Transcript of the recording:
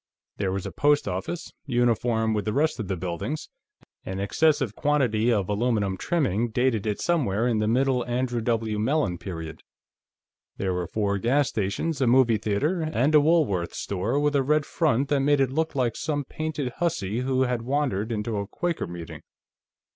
There was a post office, uniform with the rest of the buildings; an excessive quantity of aluminum trimming dated it somewhere in the middle Andrew W. Mellon period. There were four gas stations, a movie theater, and a Woolworth store with a red front that made it look like some painted hussy who had wandered into a Quaker Meeting.